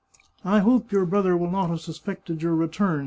" I hope your brother will not have suspected your re turn